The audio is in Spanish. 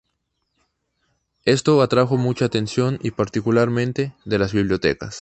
Esto atrajo mucha atención y particularmente, de las bibliotecas.